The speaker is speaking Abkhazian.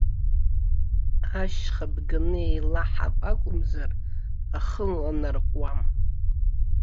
Ашьха бганы еилаҳап акәымзар, ахы ланарҟәуам.